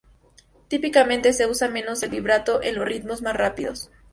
Típicamente, se usa menos el vibrato en los ritmos más rápidos.